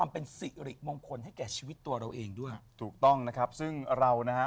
เป็นสิริมงคลให้แก่ชีวิตตัวเราเองด้วยถูกต้องนะครับซึ่งเรานะฮะ